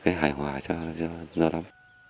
kinh phí hơn năm mươi ba tỷ đồng mỗi năm